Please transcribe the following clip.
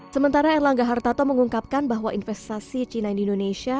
sementara erlangga hartato mengungkapkan bahwa investasi china di indonesia